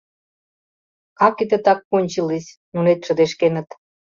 — Как это так кончилась? — нунет шыдешкеныт.